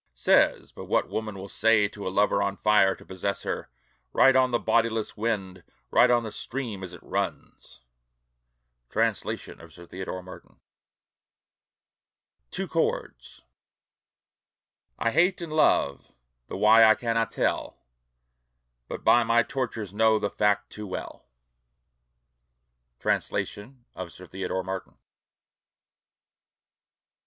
Says but what woman will say to a lover on fire to possess her, Write on the bodiless wind, write on the stream as it runs. Translation of Sir Theodore Martin. TWO CHORDS I Hate and love the why I cannot tell. But by my tortures know the fact too well. Translation of Sir Theodore Martin.